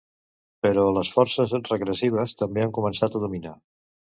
Però les forces regressives també han començat a dominar.